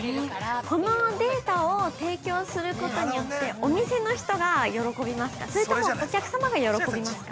◆このデータを提供することによって、お店の人が喜びますか、それともお客様が喜びますか。